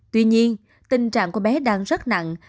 tuy nhiên tình trạng của bé đang rất nặng